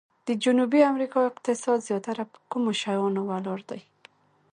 د جنوبي امریکا اقتصاد زیاتره په کومو شیانو ولاړ دی؟